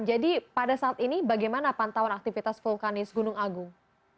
jadi pada saat ini bagaimana pantauan aktivitas vulkanis gunung agung